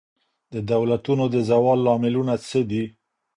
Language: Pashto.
د دولتونو د زوال لاملونه څه دي؟